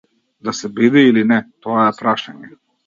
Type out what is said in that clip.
Да се биде или не, тоа е прашање.